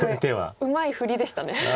うまい振りでしたね。